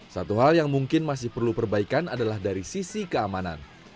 satu hal yang mungkin masih perlu perbaikan adalah dari sisi keamanan